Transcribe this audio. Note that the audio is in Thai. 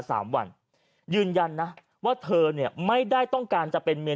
สามวันยืนยันนะว่าเธอเนี่ยไม่ได้ต้องการจะเป็นเมีย